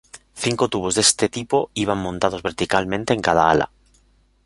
Cinco tubos de este tipo iban montados verticalmente en cada ala.